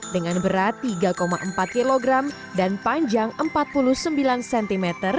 dengan berat tiga empat kg dan panjang empat puluh sembilan cm